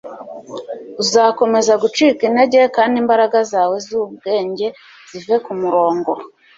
uzakomeza gucika intege kandi imbaraga zawe zubwenge zive ku murongo